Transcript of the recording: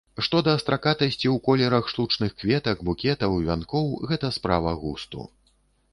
Што да стракатасці ў колерах штучных кветак, букетаў, вянкоў, гэта справа густу.